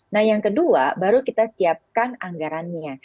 nah yang kedua baru kita siapkan anggarannya